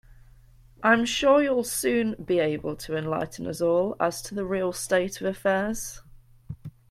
I'm sure you'll soon be able to enlighten us all as to the real state of affairs.